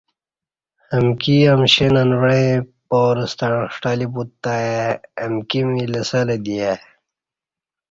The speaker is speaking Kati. امکی امشیں ننوعیں پارہ ستع ݜٹہ لی پوت تہ ای امکی می لسہ لہ دی ای